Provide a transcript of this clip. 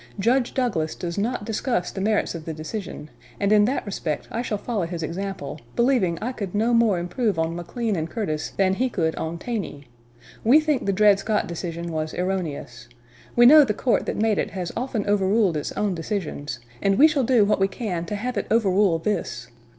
Judge Douglas does not discuss the merits of the decision, and in that respect I shall follow his example, believing I could no more improve on McLean and Curtis than he could on Taney.... We think the Dred Scott decision was erroneous. We know the court that made it has often overruled its own decisions, and we shall do what we can to have it overrule this.